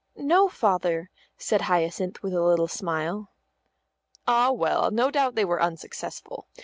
"No, Father," said Hyacinth, with a little smile. "Ah, well, no doubt they were unsuccessful.